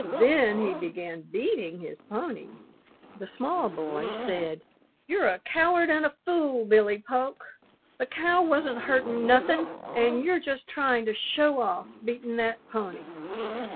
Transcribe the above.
Then he began beating his pony. The small boy said, "You're a coward an' a fool, Billy Polk. The cow wasn't hurtin' nothin', an' you're just tryin' to show off, beatin' that pony."